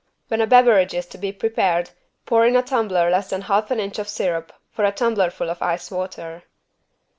When a beverage is to be prepared pour in a tumbler less than half an inch of syrup for a tumblerful of ice water.